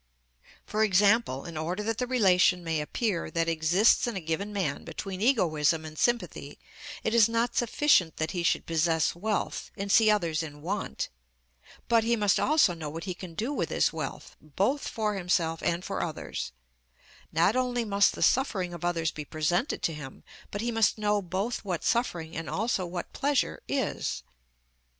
For example, in order that the relation may appear that exists in a given man between egoism and sympathy, it is not sufficient that he should possess wealth and see others in want, but he must also know what he can do with his wealth, both for himself and for others: not only must the suffering of others be presented to him, but he must know both what suffering and also what pleasure is.